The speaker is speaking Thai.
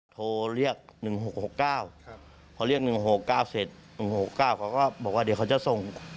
โทรเรียก๑๖๖๙พอเรียก๑๖๙เสร็จ๑๖๙เขาก็บอกว่าเดี๋ยวเขาจะส่ง